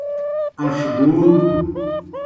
اݩݜ گُوݨ۔